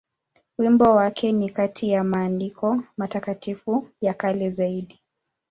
Wimbo wake ni kati ya maandiko matakatifu ya kale zaidi.